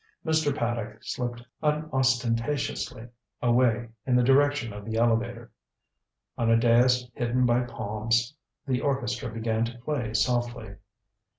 Mr. Paddock slipped unostentatiously away in the direction of the elevator. On a dais hidden by palms the orchestra began to play softly.